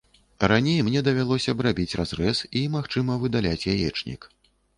Раней мне давялося б рабіць разрэз і, магчыма, выдаляць яечнік.